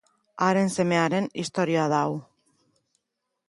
Haren semearen istorioa da hau.